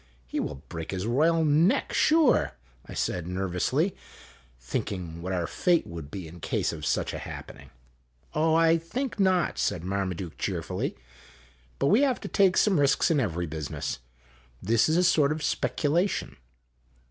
" He will break his royal neck, sure !' I said nervously, thinking what our fate would be in case of such a happening. "Oh, I think not," said Marmaduke cheerfully; "but we have to take some risks in every business. This is a sort of speculation."